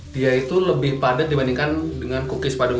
dia itu lebih padat dibandingkan dengan kukis padung